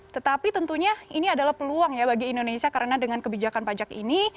tetapi tentunya ini adalah peluang ya bagi indonesia karena dengan kebijakan pajak ini